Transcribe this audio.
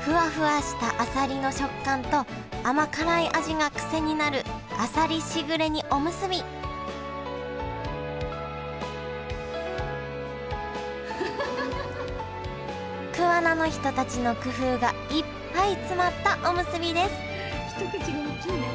ふわふわしたあさりの食感と甘辛い味が癖になるあさりしぐれ煮おむすび桑名の人たちの工夫がいっぱい詰まったおむすびです